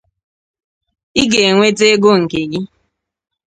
ị ga-enweta ego nke gị